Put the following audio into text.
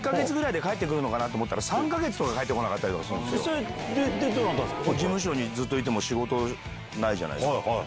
それでどうなったんすか？